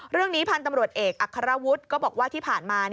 เรื่องนี้พันธุ์ตำรวจเอกอัครวุฒิก็บอกว่าที่ผ่านมา